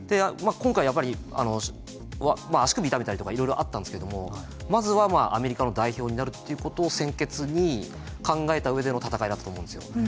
今回やっぱり足首痛めたりとかいろいろあったんですけどもまずはアメリカの代表になるということを先決に考えた上での戦いだったと思うんですよ。